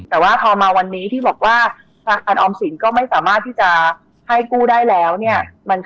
แต่ว่าพอมาวันนี้ที่บอกว่าอันออมสินก็ไม่สามารถที่จะให้กู้ได้แล้วเนี่ย